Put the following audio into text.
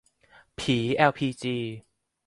ผีแอลพีจี